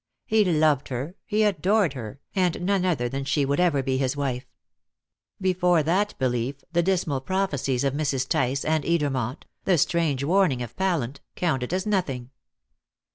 He loved her, he adored her, and none other than she would ever be his wife. Before that belief the dismal prophecies of Mrs. Tice and Edermont, the strange warning of Pallant, counted as nothing.